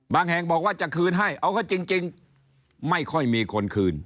แห่งบอกว่าจะคืนให้เอาก็จริงไม่ค่อยมีคนคืน